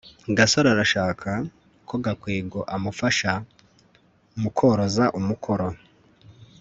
gasore arashaka ko gakwego amufasha mukoroza umukoro